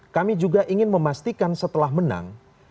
kami juga ingin memastikan setelah menang